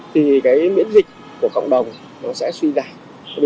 thì miễn dịch của cộng đồng sẽ suy giảm